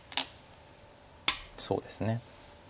そうですね。